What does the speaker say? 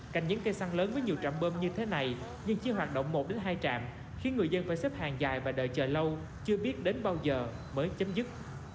cạnh những cây săn lớn với nhiều trạm bơm như thế này nhưng chỉ hoạt động một đến hai trạm khiến người dân phải xếp hàng dài và đợi chờ lâu chưa biết đến bao giờ mới chấm dứt